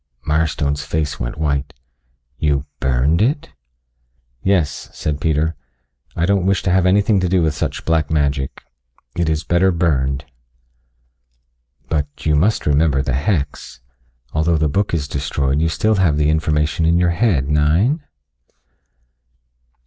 Mirestone's face went white. "You burned it?" "Yes," said Peter. "I don't wish to have anything to do with such black magic. It is better burned." "But you must remember the hex. Although the book is destroyed you still have the information in your head, nein?"